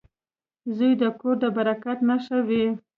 • زوی د کور د برکت نښه وي.